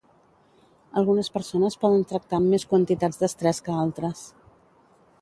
Algunes persones poden tractar amb més quantitats d'estrès que altres